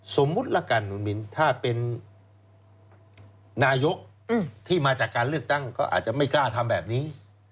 ละกันคุณมินถ้าเป็นนายกที่มาจากการเลือกตั้งก็อาจจะไม่กล้าทำแบบนี้